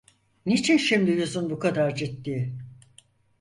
Niçin şimdi yüzün bu kadar ciddi?